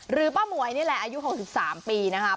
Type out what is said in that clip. หรือป้าหมวยนี่แหละอายุ๖๓ปีนะฮะ